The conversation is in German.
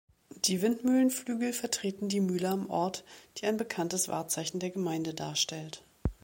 Die Windmühlenflügel vertreten die Mühle am Ort, die ein bekanntes Wahrzeichen der Gemeinde darstellt.